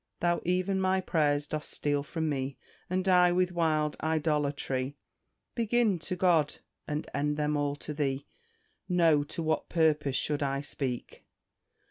Thou ev'n my prayers dost steal from me, And I, with wild idolatry, Begin to GOD, and end them all to thee. No, to what purpose should I speak?